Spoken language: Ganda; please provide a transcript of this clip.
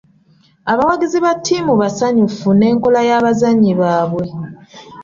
Abawagizi ba ttiimu basanyufu n'enkola y'abazannyi baabwe.